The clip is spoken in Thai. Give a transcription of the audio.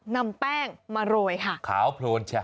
นำแป้งมาโรยค่ะขาวโพลนใช่